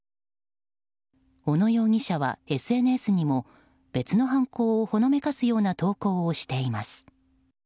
小野容疑者はＳＮＳにも別の犯行をほのめかすような投稿をしています。